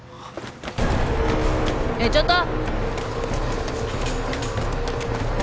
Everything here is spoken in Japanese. えっちょっと！